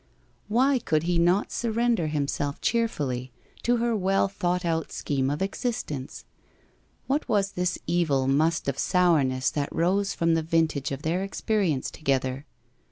Why could he not sur render himself cheerfully to her well thought out scheme of existence? What was this evil must of sourness that rose from the vintage of their experience together